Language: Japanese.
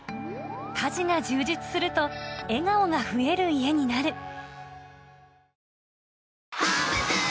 家事が充実すると笑顔が増える家になる